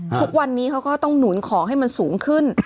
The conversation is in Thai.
ทุกวันนี้เขาก็ต้องหนุนของให้มันสูงขึ้น